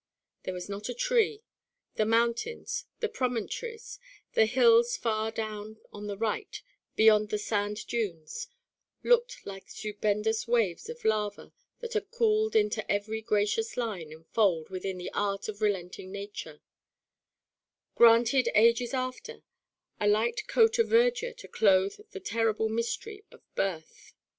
There was not a tree; the mountains, the promontories, the hills far down on the right beyond the sand dunes, looked like stupendous waves of lava that had cooled into every gracious line and fold within the art of relenting Nature; granted ages after, a light coat of verdure to clothe the terrible mystery of birth.